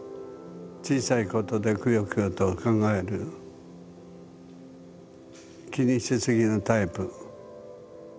小さいことでくよくよと考える気にしすぎのタイプ。